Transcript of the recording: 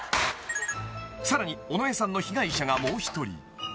［さらに尾上さんの被害者がもう一人］